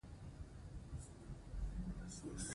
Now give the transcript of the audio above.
څوک د نجونو د زده کړې حق تر پښو لاندې کوي؟